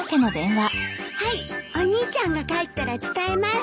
はいお兄ちゃんが帰ったら伝えます。